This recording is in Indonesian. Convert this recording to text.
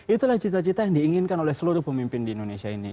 itulah cita cita yang diinginkan oleh seluruh pemimpin di indonesia ini